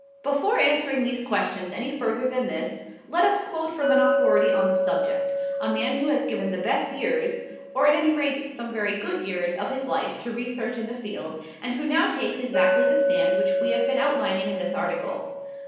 Before answering these questions any further than this, let us quote from an authority on the subject, a man who has given the best years, or at any rate some very good years, of his life to research in this field, and who now takes exactly the stand which we have been outlining in this article.